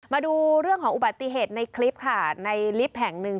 มาดูเรื่องของอุบัติเหตุในคลิปค่ะในลิฟต์แห่งหนึ่ง